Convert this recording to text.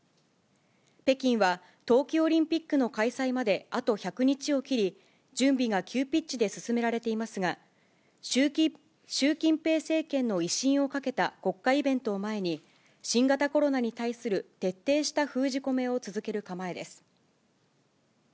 北京は冬季オリンピックの開催まであと１００日を切り、準備が急ピッチで進められていますが、習近平政権の威信をかけた国家イベントを前に新型コロナに対する徹底した封じ込めを続ける構えです。